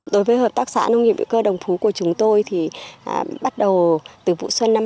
đối với hợp tác xã nông nghiệp vị cơ đồng phú của chúng tôi thì bắt đầu từ vụ xuân năm hai nghìn một mươi chín